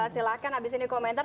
silahkan habis ini komentar